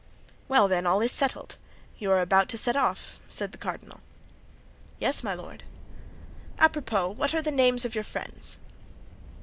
"Well, then, all is settled; you are to set off," said the cardinal. "Yes, my lord." "Apropos, what are the names of your friends?"